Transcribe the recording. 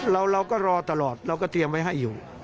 เราก็รอตลอดเราก็เตรียมไว้ให้อยู่